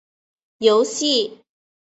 游戏